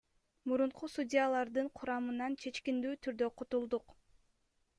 Мурунку судьялардын курамынан чечкиндүү түрдө кутулдук.